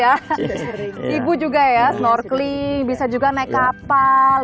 juga ya snorkeling bisa juga naik kapal bisa juga naik kapal bisa juga naik kapal bisa juga naik kapal